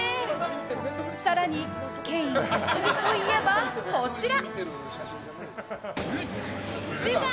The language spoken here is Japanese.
更に、ケイン・コスギといえばこちら。